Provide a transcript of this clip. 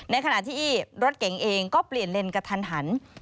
ขณะที่รถเก๋งเองก็เปลี่ยนเลนกระทันหัน